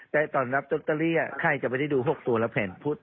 แต่ตอนรับดรกตรีใครจะไปได้ดู๖ตัวแล้วแผ่นพูด